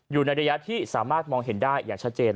อยู่ในระยะที่สามารถมองเห็นได้อย่างชัดเจน